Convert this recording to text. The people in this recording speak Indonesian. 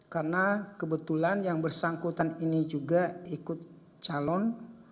karena kebetulan yang bersangkutan ini juga ikut calon